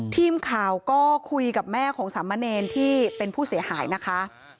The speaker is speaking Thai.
ทีมข่าวก็คุยกับแม่ของสามเณรที่เป็นผู้เสียหายนะคะ